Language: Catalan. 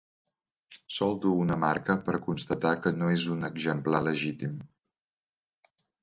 Sol dur una marca per constatar que no és un exemplar legítim.